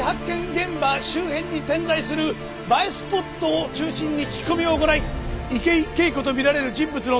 現場周辺に点在する映えスポットを中心に聞き込みを行い池井景子とみられる人物の逃走経路を徹底的に洗う。